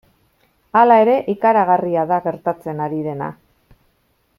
Hala ere, ikaragarria da gertatzen ari dena.